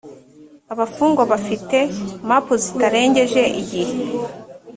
abafungwa bafite map zitarengeje igihe